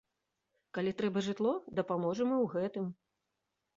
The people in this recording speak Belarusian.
Калі трэба жытло, дапаможам і ў гэтым.